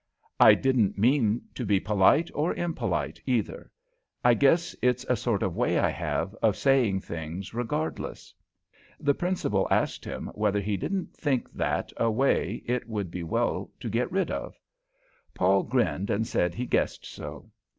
"I didn't mean to be polite or impolite, either. I guess it's a sort of way I have, of saying things regardless." The Principal asked him whether he didn't think that a way it would be well to get rid of. Paul grinned and said he guessed so.